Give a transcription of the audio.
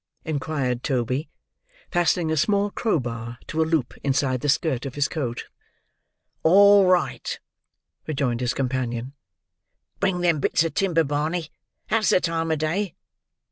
inquired Toby: fastening a small crowbar to a loop inside the skirt of his coat. "All right," rejoined his companion. "Bring them bits of timber, Barney. That's the time of day."